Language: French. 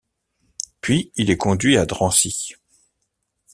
Puis il est conduit à Drancy.